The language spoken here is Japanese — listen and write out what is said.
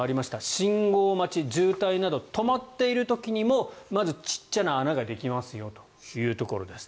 信号待ち、渋滞など止まっている時にもまず小さな穴ができますよというところです。